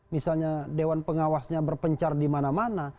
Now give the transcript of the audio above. misalnya dewan pengawasnya berpencar di mana mana